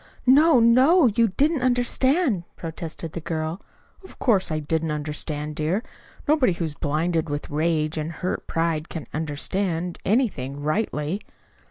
"No, no! You didn't understand," protested the girl. "Of course, I didn't understand, dear. Nobody who is blinded with rage and hurt pride can understand anything, rightly."